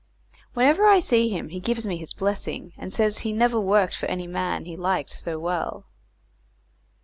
Whenever I see him he gives me his blessing, and says he never worked for any man he liked so well.